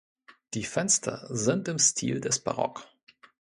Die Fenster sind im Stil des Barock.